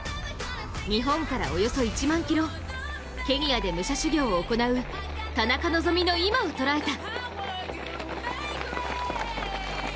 日本からおよそ１万ｋｍ、ケニアで武者修行を行う田中希実の今を捉えた。